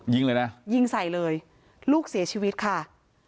ยิงเลยนะยิงใส่เลยลูกเสียชีวิตค่ะ